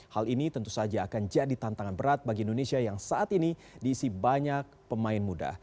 hal ini tentu saja akan jadi tantangan berat bagi indonesia yang saat ini diisi banyak pemain muda